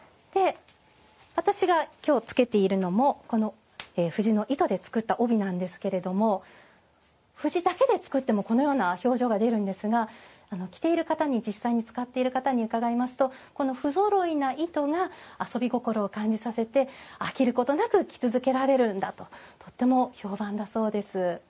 私がきょうつけているのも藤の糸で作った帯なんですけれども藤だけで作ってもこのような表情が出るんですが実際使っている方に伺いますと不ぞろいの糸が遊び心を感じさせて飽きることなく着続けられるんだととても評判だそうです。